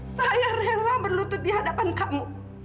saya rela berlutut di hadapan kamu